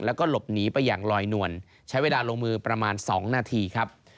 แล้วก็หลบหนีไปอย่างลอยนวลใช้เวลาลงมือประมาณ๒นาทีครับ